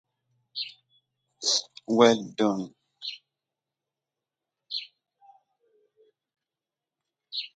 Oregonians were unhappy with California volunteers protecting Oregon.